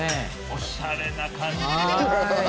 おしゃれな感じよ。